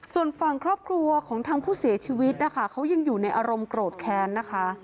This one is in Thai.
ส่วนฝั่งครอบครัวของทางผู้เสียชีวิตนะคะเขายังอยู่ในอารมณ์โกรธแค้นนะคะ